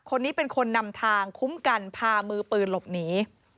คนนี้เป็นคนนำทางคุ้มกันพามือปืนหลบหนี